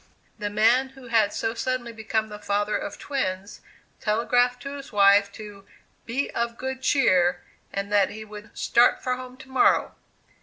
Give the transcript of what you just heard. "The man who had so suddenly become the father of twins, telegraphed to his wife to 'be of good cheer,' and that he would 'start for home to morrow.